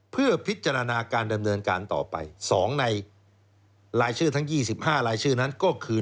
เพื่อพิจารณาการดำเนินการต่อไป๒ในรายชื่อทั้ง๒๕รายชื่อนั้นก็คือ